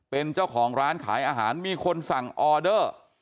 เป็นเจ้าของร้านขายอาหารมีคนสั่งออเดอร์